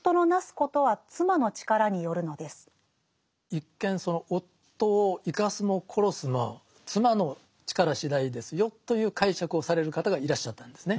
一見その夫を生かすも殺すも妻の力しだいですよという解釈をされる方がいらっしゃったんですね。